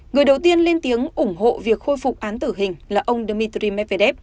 người đầu tiên lên tiếng ủng hộ việc khôi phục án tử hình là ông dmitry medvedev